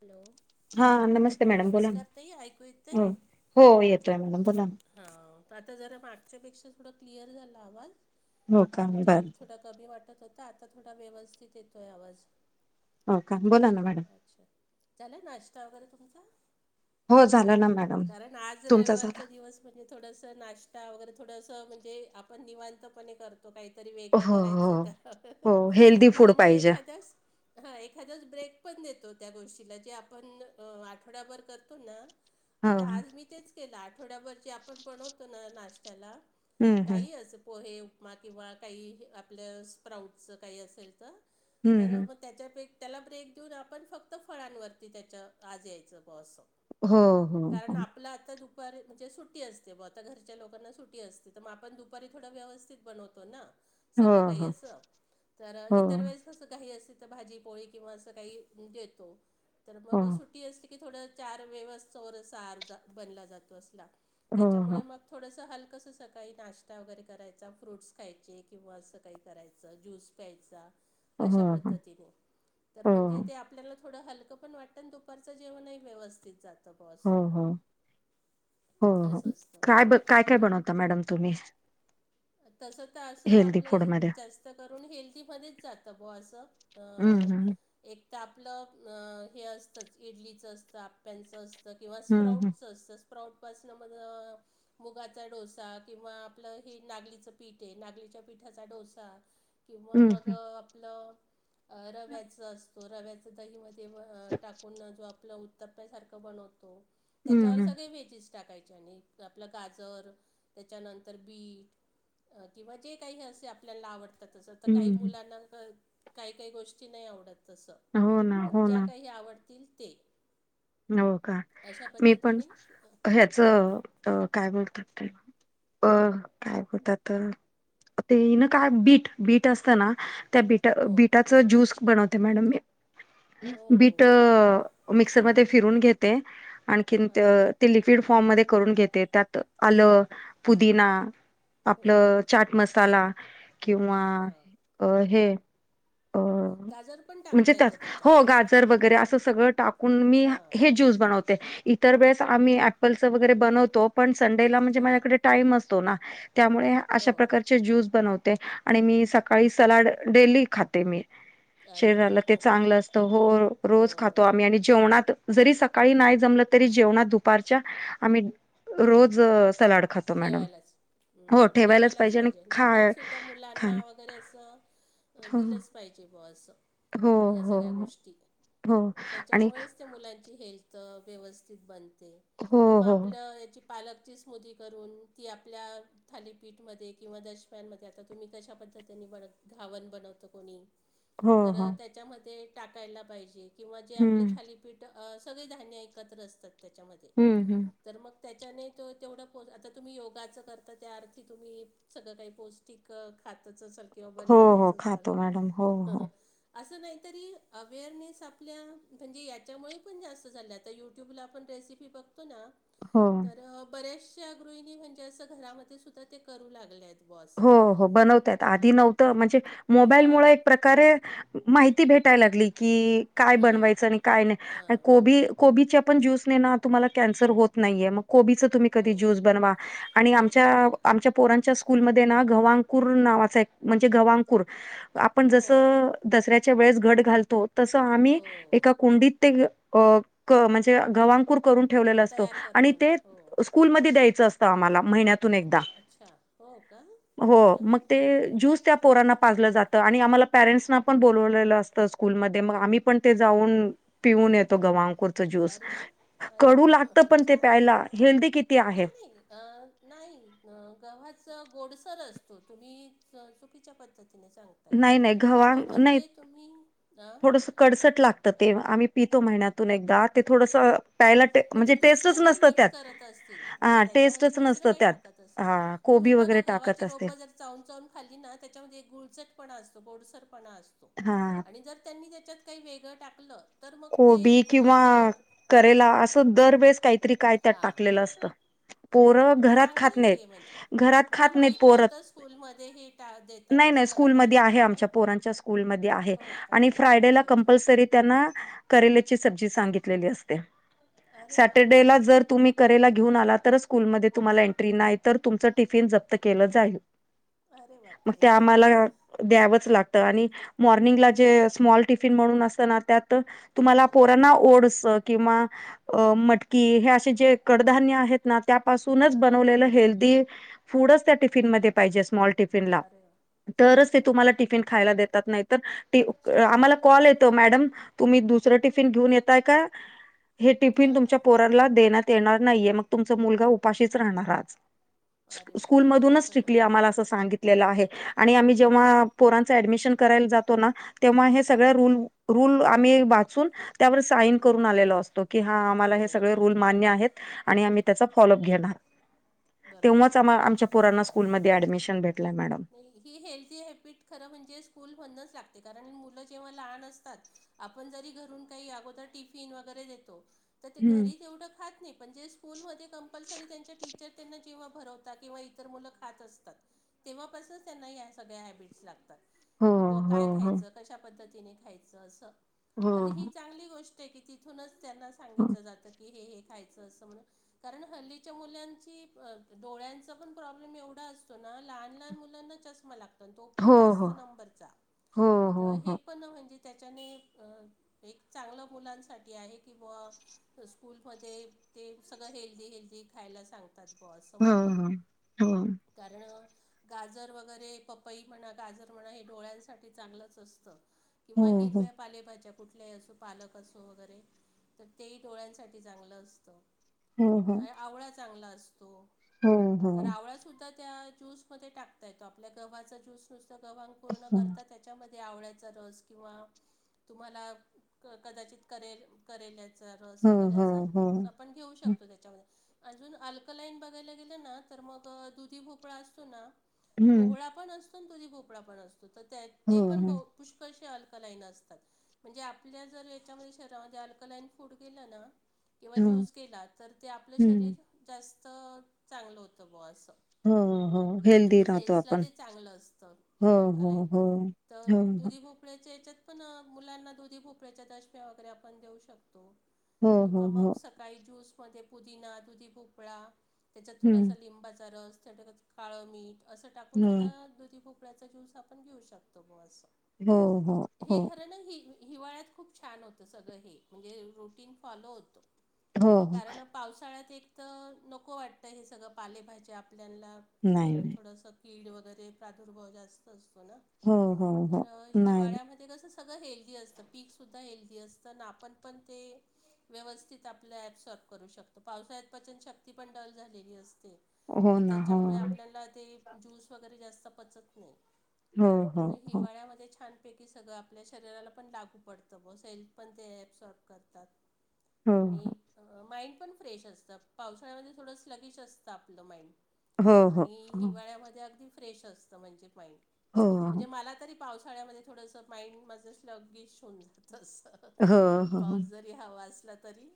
Hello! हा, नमस्ते! Madam बोला ना नमस्कार ताई ऐकू येतंय? हो हो, येतोय मॅडम बोला ना. हा, आता जरा मागच्यापेक्षा थोडा क्लिअर झाला आवाज हो का बरं त्याच्यापेक्षा थोडा कमी वाटत होता, आता थोडा व्यवस्थित येतोय आवाज. हो का, बोला ना मॅडम. अच्छा! झालाय नाश्ता वगैरे तुमचा? हो झालं ना मॅडम कारण, आज तुमचा झाला रविवारचा दिवस म्हणजे थोडसं नाश्ता वगैरे थोडंसं म्हणजे आपण निवांतपणे करतो. त काहीतरी हो वेगळं हो करायचं काय, हो हेल्दी फूड किंवा मग पाहिजे एखाद्यास हा एखादाच ब्रेक पण देतो, त्या गोष्टीला जे आपण आठवड्याभर करतो ना. हो आता आज मी तेच केलं, आठवड्या बरं जे आपण बनवतो ना नाश्त्याला हम्म हम्म काही असं पोहे, उपमा किंवा काही आपल्या स्प्राऊटचं काही असेल तर हम्म तर हम्म मग त्याच्यापे त्याला ब्रेक देऊन, आपण फक्त फळांवरती त्याच्या आज यायचं ब असं. हो हो हो. आपला आता दुपारी म्हजे सुट्टी सुटी असते, ब आता घरच्या लोकांना सुटी असते तर मग आपण दुपारी थोड व्यवस्थित बनवतो ना. हो सगळं काही हो असं तर इतर तसं काही असेल तर भाजी, पोळी किंवा अस काही देतो तर हो हो मग सुट्टी अस की थोडं चार वेवस चोरसार बनला जातो असला हो हो त्याच्यामुळे मग थोडंसं हलकंसं सकाळी नाश्ता वगैरे करायचा फ्रूट्स खायचे किंवा असं काही करायचं ज्यूस घ्यायचा हो अशा हो पद्धतीने तर हो म्हणजे ते आपल्याला थोडं हलकं पण वाटतं आणि दुपारचं जेवणही व्यवस्थित जातं बा हो अस. हो हो असतं काय ब काय काय तर बनवता मॅडम तुम्ही? तसं तर असं हेल्दी फूड आपलं मध्ये जास्त करून हेल्दीमध्येच जातं ब असं. हम्म तर हम्म एक तर आपलं हे असतंच इडलीचं असतं आप्यांचं असतं. किंवा हम्म स्प्राऊटचं असतं स्प्राऊटपासनं मग मुगाचा डोसा किंवा आपलं हे नागलीचं पीठ आहे नागलीच्या पीठाचा डोसा किंवा हम्म मग आपलं रव्याचं असत. तो रव्याच दही मध्ये टाकून जो आपला उत्तप्प्यासारखं बनवतो. हम्म हम्म त्याच्यावर सगळे व्हेजेस टाकायचे आणि आपलं गाजर त्याच्यानंतर बीट किंवा जे काही असे आपल्याला आवडत. आता तसं तर काही हम्म मुलांना काही, काही गोष्टी नाही आवडत. तस हम्म हो ना तर हो ज्या ना काही आवडतील ते हो का अशा मी पण पद्धतीने अ, ह्याचं काय बोलतात ते अ काय होतात. ते ना काय बीट, बीट असतं ना त्या बीट हो बिटाच जुस बणवते मॅडम मी हो हो बिट असं मिक्सर मध्ये फिरून घेते आणखीन हां ते लिक्विड फॉर्म मध्ये करून घेते त्यात आल, पुदिना हो आपलं चाट मसाला किंवा हां अ हे अ गाजर पण म्हणजे टाकता त्यात येतं हो त्याच्यामध्ये गाजर वगैरे असं सगळं टाकु मी हां हे ज्यूस बनवते इतर वेळेस हो आम्ही ऑप्पलच वगैरे बनवतो. पण संडेला म्हणजे हां माझ्याकडे टाईम असतो ना त्यामुळे अशा हो प्रका ज्यूस बनते आणि मी सकाळी सलाड डेली खाते मी. अरे वा शरीराला ते चांगलं असत हो हो रोज खातो आम्ही आणि जेवणात जरी सकाळी नाही जमलं तरी जेवणात दुपारच्या आम्ही रोज सलाड खातो मॅडम. ठेवायलाच. हो हम्म ठेवायलाच आणि पाहिजे खा डब्यात सुद्धा खाण मुलांना वगैरे असं हो दिलंच पाहिजेबो अस हो हो ह्यासगळ्या गोष्टी हो आणि त्याच्यामुळेच मुलांची हेल्थ व्यवस्थित बणते हो किंवा हो आपल्या पालकची करून ती आपल्या थालीपीठमध्ये किंवा दशम्या मध्ये आता तुम्ही कशा पद्धतीने बन घावण बनवत कोणी हो तर हो त्याच्यामध्ये टाकायला पाहिजे किंवा जे आपले हम्म थाली पीठ सगळे धान्य एकत्र असतात त्याच्यामध्ये हम्म हम्म. तर मग त्याच्याने तो तेवढं आता तुम्ही योगाचं करता त्या अर्थी तुम्ही सगळं काही पौष्टिक खाताचं स किंवा हो हो बनवतच असाल. खातो मॅडम हो हो. असं नाहीतरी अवेअरनेस आपल्या म्हणजे याच्यामुळे पण जास्त झाल्या आता यूट्यूबला आपण रेसिपी फपक्त ना [unintelligible] हो. तर बऱ्याचश्या गृहिणी म्हणजे असं घरामध्ये सुद्धा ते करू लागल्यात हो हो बनवताय आधी नव्हतं म्हणजे मोबाईल हां मुळ एक प्र कार माहिती भेटाय लागली की काय हां बनवायच आणि काय नाही हां कोबी कोबीचा पण ज्यूस नेण तुम्हाला कॅन्सर होत नाहीये मग कोबीच खुप तुम्ही हो कधी ज्युस बनवा आणि ते आमच्या आमच्या पोरांच्या कूलमध्ये ना गव्हा अंकूर नावाच म्हणजे गव्हा अंकूर आपण हो जसं दसऱ्याच्या वेळेस घट घालतो तसं आम्ही हो एका कुंडीत ते म्हणजे गव्हा अंकूर करून हो ठेवलेला असतो तयार आणि करतो ना ते हो स्कूलमध्ये द्यायचं असतं आम्हाला महिन्यातून एकदा. अच्छा हो का हो अच्छा मग ते ज्यूस त्या पोरांना पाजलं जातं आणि आम्हाला पेरेंट्सना पण बोलवलेलं असतं. स्कूल मध्ये मग आम्ही पण ते जाऊन पिऊन येतो गवांकूर. तो ज्यूस अरे वा अरे कडू लागत वा पण ते प्यायला हेल्दी किती आहे. ह ह [unintelligible] नाही गव्हाचं गोडसर असतो तुम्ही च चुकीच्या पद्धतीने सांगा. नाही नाही गव्हा कडू नाही म्हणजे तुम्ही ह. थोडंसं कडसट लागत ते आम्ही पितो महिन्यातून एकदा ते थोडस. पला मग ते म्हणजे दुसरं टेस्टच काही नसत मिक्स त्यात करत असतील हा नाही त्याच्यामध्ये टेस्टच दुसरं नसतं काही त्यात टाकत असतील हा. कोबी वगैरे टाकत असते. चाऊन चावून खाली ना त्याच्यामध्ये एक गुळझटपणा असतो गोडसरपणा असतो. हा. आणि जर त्यांनी त्याच्यात काही वेगळं टाकलं तर मग ते च चव. केला असं दरवेेळेस काहीतरी काय त्यात हां टाकलेलं हां असतं. बरोबर पोरं पण घरात चांगलं खात आहे हे म्हणजे नाहीत घरात मला खात नाहीत माहीत पोरत. नव्हतं स्कूलमध्ये हे टा देतात नाही असं नाही मला स्कूलमध्ये माहीत आहे नव्हतं आमच्या पोरांच्या स्कूलमध्ये आहे हो का आणि फ्रायडेला अच्छा अच्छा कंपल्सरी. त. घे अरे वा आला तुम एंट नाही तर तुमचफन ज के जाई. अरे मग बापरे ते आम्हाला. द्यावच लागत आणि मॉर्निंगला जे स्मॉल टिफिन म्हणून असत ना त्यात. हो तुम्हाला पोरना ओड्स किंवा मटकी हे असे जे कडधान्य आहेत. त्यापूनच बन हां हां हेल् फूड त्या टिफिन मजे स्म. अरे वा तर छान ना तुम्हाला टफ खायेतात छान आम. कॉल य मॅडम तुम्ही दुसर टिफिन घेऊन यताय का. हे टिफिन तुमच्या हां पोररला देण्यात येणार नाहीये मग तुमचा मुलगा उपाशीच राहणारज. अरे बापरे स्कूलमधूनच स्ट्रिकली आम्हाला असं सांगितलेलं आहे अच्छा आणि आम्ही जेव्हा. ोरां ऍडमिशन करायला जातो ना तेव्हा हे सगळ र हं. रल आम्ही. हो [unintelligible] मान्य आहेत आणि आम्ही त्याचा फॉलोअप घेणार आह. बरोबर आहे तेव्हाच आम्हा बरोबर आमच्या आहे पुराना स्कूलमध्ये ऍडमिशन भेटलाय मॅडम. नाही ही हेल्दीी हॅबिट खरं म्हणजे स्कूल बनणच लागते कारण मुलं जेव्हा लहान असतात. आपण जरी घरून काही अगोदर टिफिन वगैरे देतो. तर ते हम्म घरी तेवढं खात नाही पण जे स्कूलमध्ये कंपल्सरी त्यांच्या टीचर. त्यांना जेव्हा भरवतात किंवा इतर मुलं खात असतात. तेव्हापासूनच त्यांना या सगळ्या हॅबिट्स लागतात. हो कि ब हो काय हो खायचं कशा पद्धतीने खायचं अस हो तर ही चांगली गोष्ट. की तिथूनच त्यांना सांगितलं जातं की हे खायचं असं म्हण. कारण हल्लीच्या मुलांची. डोळ्यांचा पण प्रॉब्लेम एवढा असतो ना लहान लहान मुलांना चष्मा लागतो. तो पण हो हो जास्त नंबरचा हो त हो हे हो पण म्हणजे.. त्याच्याने एक चांगलं मुलांसाठी आहे कि बुवा.. त स्कूलमध्ये ते सगळं हेल्दी हेल्दी खायला सांगतात.. बस हा म्हणू हा हो कारण.. गाजर वगैरे पपई म्हणा गाजर म्हणा हे डोळ्यांसाठी चांगलंच असतं.. किंवा हो हो हिरव्या पालेभाज्या कुठल्याही असो पालक असो वगैरे.. तर तेही डोळ्यांसाठी चांगलं असतं.. हो हो आवळा चांगला असतो हो हो तर आवळा सुद्ध.. त्या ज्यूस मध्ये टाकता येतो आपल्या गव्हाचा ज्यूस नुसतं गव्हाकुर्ण करता.. त्याच्यामध्ये आवळ्याचा रस किंवा तुम्हाला कदाचित करेल.. करेल्याचा रस हो वगैरे हो असं हो हो आपण घेऊ शकतो त्याच्यामध्ये अजून अल. ईन बघायला गेलं ना तर मग दुधी भोकळा असतो ना हम्म कोहळा पण अस. भोपळा पणतो तर त्या ते हो पण हो पुष्क. न असतात म्हणजे आपल्या जर याच्यामध्ये शहरामध्ये अलकलाईन फुट गेलं ना किंवा हो, ज्यूस केला तर ते आपलं हं. शरीर जास्त चांगलं होतं ब असं. हो, हो. हेल्दी म्हणजे राहतो सेल्सला आपण. ते चांगलं असतं हो, हो, अल्कालाईन हो. तर हो, हो. दुधी भोपळ्याच्या हे च्यात. ना मुलांना दुधी भोपळ्याच्या दशम्या वगैरे आपण देऊ शकतो हो, हो, किंवा मग हो. स. काही ज्यूसमध्ये पुदिना दुधी भोपळा त्याच्यात थोडासा हं. लिंबाचा रस [unintelligible] काळं मीठ असं हो, टाकूनसुद्धा दुधी भोपळ्याचा ज्यूस आपण घेऊ शकतो ग असं. हो, हो, हे हो. खरं ना ही. हिवाळ्यात खूप छान होतं सगळं हे म्हणजे रुटीन फॉलो होतं हो, हो. कारण. पावसाळ्यात एक तर नको वाटतं हे सगळं पालेभाज्या आपल्याला नाही, नाही. थोडंसं कीड वगैरे प्रादुर्भाव जास्त असतो ना हो, हो, तर हो. नाही. हिवाळ्यामध्ये. ते कस सगळं हेल्दी असतं पीक सुद्धा हेल्दी असतं ना आपण पण ते. व्यवस्थित आपलं ऍप साफ करू शकतो पावसाळ्यात पचन शक्ती पण डल झालेली असते. हो तर ना. हो. त्याच्यामुळे आपल्याला ते ज्यूस वगैरे जास्त पचत नाही. हो, हो, पण हो. हिवाळ्यामध्ये छान. पैकी सगळं आपल्या शरीराला पण लागू पडतं बस हेल्थ पण ते सॉर्ब करतात. हो, आणि हो. माइंड पण फ्रेश असतं पावसाळ्यामध्ये थोडंस लगीश असतं आपलं माइंड. हो, हो. आणि हो, हिवाळ्यामध्ये अगदी फ्रेश असतं म्हणजे माइंड. हो, म्हणजे हो. माला तरी पावसाळ्यामध्ये थोडंसं माइंड माझ लगीश होऊन जात अस. हो, हो, पाऊस हो. जरी हवा असला तरी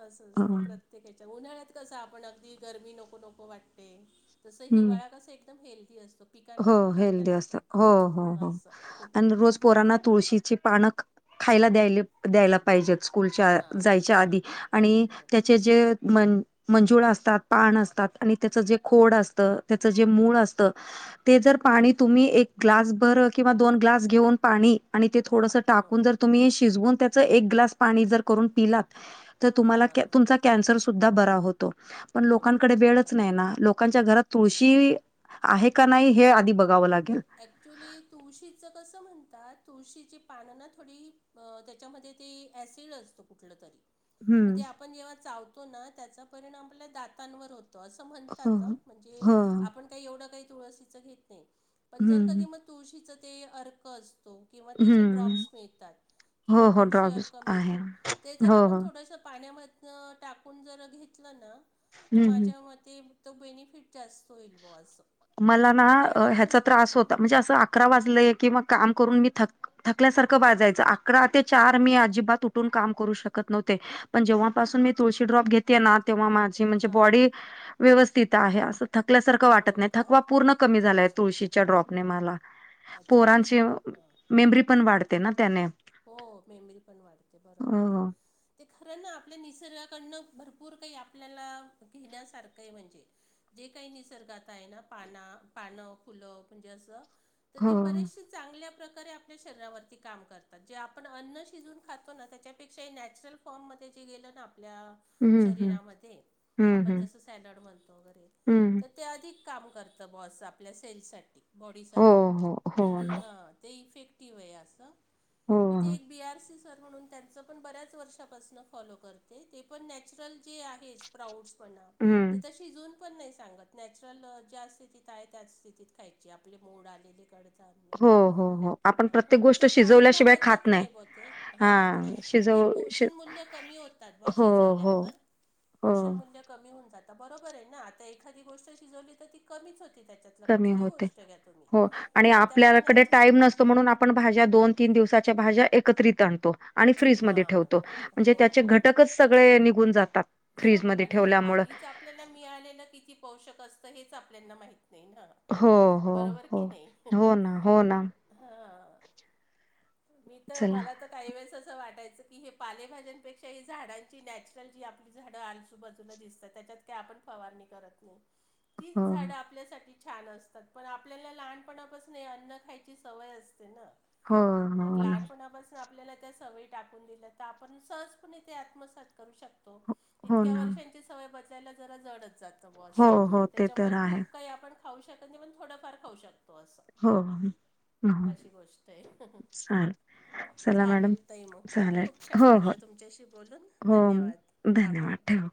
असं असत हो. प्रत्य. ते तेच्या उन्हाळ्यात कसं आपण अगदी गरमी नको नको वाटते. तसं हं. हिवाळा कसं एकदम हेल्दी असतं. हो हेल्थी असत हो हो असं. आणि रोज. पोराना तुळशीची पानं खायला द्याय द्यायला पाहिजेच. स्कूलच्या हां जायच्या आधी आणि बरोबर त्याचे जे म. मंजुळा असतात, पान असतात, आणि त्याच जे खोड असत त्याच जे मूळ असत. ते जर पाणी तुम्ही एक ग्लासभर किंवा दोन ग्लास घेऊन पाणी आणि ते थोडंसं हं टाकून जर. तुम्ही शिजवून त्याच एक ग्लास पाणी जर करून पिलात तर तुम्हाला त हां तुमचा. कॅन्सर सुद्धा बरा होतो पण हो लोकांकडे वेळच नाही बरोबर आहे ना लोकांच्या घरात बरोबर आहे. तुळशी. आहे का नाही हे आधी बघ. मी एक. ॲक्च्युली तुळशीचं कसं म्हणतात तुळशीची पानं ना थोडी त्याच्यामध्ये. ते ॲसिड असत कुठलं तरी. हम्म मग आपण ते जेव्हा चावतो ना त्याचा परिणाम आपल्या दातांवर होतो. अस हो म्हणतात म्हणजे हो आपण काही एवढं काही तुळशीच घेत नाही पण जर कधी हम्म म. तुळशीचा ते अर्क असतो किंवा तेचे हम्म ड्रॉप्स मिळतात. किंवा हो हो तुळशी ड्रॉब्स अर्क आहे मीळतो ते तर हो आपण हो थोडस पाण्यामध्ये. टाकून जर घेतलं ना तर हम्म हम्म माझ्या म. ते तर बेनिफिट जास्त होईल बोवा आस. मला ना ह्याचा त्रास होता म्हणजे असं अकरा वाजले की मग काम करून मी थक. थकल्यासारखं बाजायचं अकरा ते चार मी अजिबात उठून काम करू शकत नव्हते पण जेव्हापासून मी तुळशी ड्रॉप घेतेणार तेव्हा माझ जे हां. ब व्यवथ आहे अस थल्यासार वाटत हो नाही का? थकवा पूर्ण कमी झालाय अच्छा. तुळशी ड्रॉप मला अच्छा, अच्छा. पोरांची हां. मेमरी पण वाढते ना त्याने हो मेमरी पण वाढते बरोबर हो आहे ते खरं ना आपल्या निसर्गाकडनं भरपूर काही आपल्याला घेण्यासारखं आहे म्हणजे जे काही निसर्गात आहे ना पाना पानं फुलं म्हणजे असं तर हो ते बरेचसे चांगल्या प्रकारे आपल्या शरीरावरती काम करतात. जे आपण अन्न शिजवून खातो ना त्याच्यापेक्षाही नॅचरल फॉर्ममध्ये जे गेलं ना आपल्या. हम्म हम्म शरीरामध्ये हम्म आपण हम्म जस सॅलड म्हणतो वगैरे. हं, ते अधिक काम करतं बॉस आपल्या सेल्ससाठी. हो, बॉडीसाठी हो, हो ना. ते इफेक्टिव आहे असं हो, इथे हो. एक बी आर सी सर म्हणून त्यांचं आपण बऱ्याच वर्षापासून फॉलो करते ते पण नॅचरल जे आहेच प्राऊड्स म्हणा हं. शिजून पण नाही सांगत नॅचरल ज्या स्थितीत आहे त्या स्थितीत खायची आपले मूड आलेले. ड्य हो, हो, हो. किंवा आपण ह प्रत्येक पण ते गोष्ट काही. शिजवल्याशिवाय खात पचत नाही ब ते हा ते हां, ते शिजव शि पोषण मूल्य कमी होतात ब हो, हो, शिजवल्यावर. हो. पोषण मूल्य कमी होऊन जात बरोबर आहे ना आता एखादी गोष्ट शिजवली तर ती कमीच होती त्याच्यात. कमी होते हो आणि तर त्यामुळे आपल्याकडे नॅचरल टाईम नस. म्हणून आपण भाज्या दोन तीन दिवसाच्या भाज्या एकत्रित आणतो. आणि फ्रीजमध्येध्ये हां ठेवतो म्हणजे त्याचे हो घटकच सगळे निघून जातात. सम फ्रीजमध्ये आणि ठेवल्यामुळं. आधीच आपल्याला मिळालेलं किती पोषक असतं हेच आपल्याना माहित नाही ना. हो, हो, बरोबर कि हो. नाही हो ना, हो ना. हा. मी तर चला मला. आता काही वेळेस असं वाटायचं की हे पालेभज्यांपेक्षा ही झाडांची नॅचरल जी आपली झाडंसोबत. दित त्याच्यात का आपण फवारणी करत नाही ती हो, झाड आपल्यासाठी. छान असतात पण आपल्याला लहानपणापासून हे अन्न खायची सवय असते ना. हो, हो त्यातला ना. आहे पणा बस. आपल्याला त्या सवयी टाकून दिल्या तर आपण सहजपणे ते आत्मसात करू शकतो. हो हो इतक्या ना. वर्षांची सवय बयला ज जडच जात हो, हो. ते त्याच्यामुळे तर आहे. खूप काही आपण. खाऊ शकत नाही पण थोडफार खाऊ शकतो असं हो, हो. अशी गोष्ट आहे. हा. चालेल तही मग हं खूप छान हो हो वाटलं तुमच्याशी बोलून हो धन्यवाद धन्यवाद आभार. ठेव.